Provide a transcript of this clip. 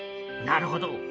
なるほど。